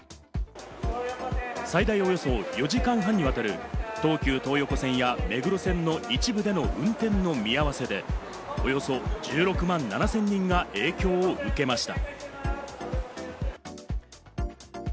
最大およそ４時間半にわたる、東急東横線や目黒線の一部での運転の見合わせで、およそ１６万７０００人が影響を受けました。